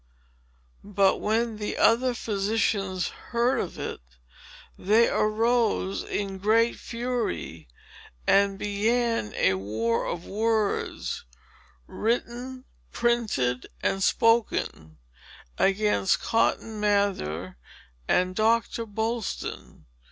But, when the other physicians heard of it, they arose in great fury, and began a war of words, written, printed, and spoken, against Cotton Mather and Doctor Boylston.